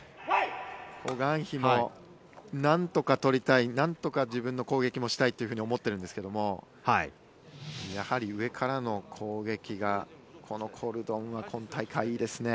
ホ・グァンヒもなんとか取りたいなんとか自分の攻撃もしたいと思っているんですがやはり上からの攻撃がこのコルドンは今大会、いいですね。